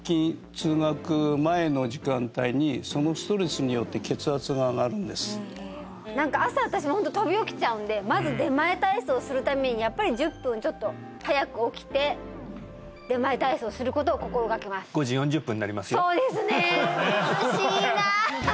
通学前の時間帯に何か朝私も飛び起きちゃうんでまず出前体操するためにやっぱり１０分ちょっと早く起きて出前体操することを心がけますそうですね